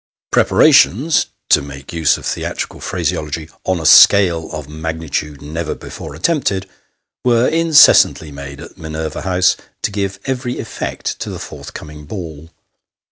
246 . Sketches by Boz. Preparations, to make use of theatrical phraseology, " on a scale of magnitude never before attempted," were incessantly made at Minerva House to give every effect to the forthcoming ball.